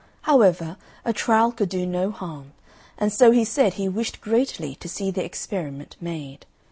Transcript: However, a trial could do no harm; and so he said he wished greatly to see the experiment made.